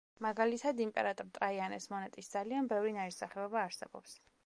მაგალითად, იმპერატორ ტრაიანეს მონეტის ძალიან ბევრი ნაირსახეობა არსებობს.